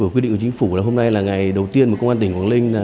quy định của chính phủ là hôm nay là ngày đầu tiên công an tỉnh quảng ninh